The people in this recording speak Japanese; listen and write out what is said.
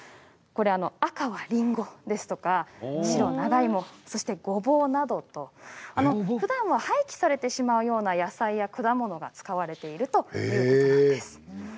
赤はりんごですとか白は長芋、そしてごぼうなどふだんは廃棄されてしまうような野菜や果物が使われているということなんです。